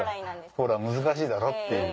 「ほら難しいだろ？」っていう。